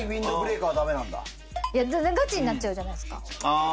ガチになっちゃうじゃないですか。